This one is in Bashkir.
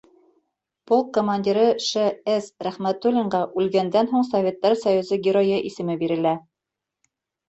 Полк командиры Ш.С. Рәхмәтуллинға үлгәндән һуң Советтар Союзы Геройы исеме бирелә.